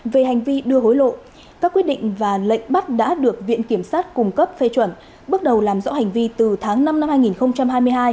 về hành vi đưa hối lộ các quyết định và lệnh bắt đã được viện kiểm sát cung cấp phê chuẩn bước đầu làm rõ hành vi từ tháng năm năm hai nghìn hai mươi hai